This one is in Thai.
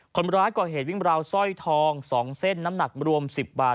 คนร้ายก่อเหตุวิ่งราวสร้อยทอง๒เส้นน้ำหนักรวม๑๐บาท